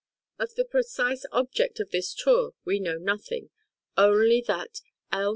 Of the precise object of this tour we know nothing, only that L.